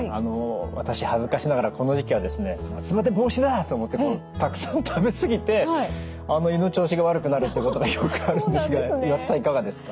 私恥ずかしながらこの時期はですね夏バテ防止だと思ってたくさん食べ過ぎて胃の調子が悪くなるってことがよくあるんですが岩田さんいかがですか？